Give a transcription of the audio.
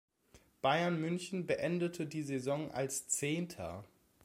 Bayern München beendete die Saison als Zehnter.